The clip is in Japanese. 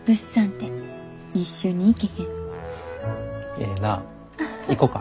ええなぁ行こか。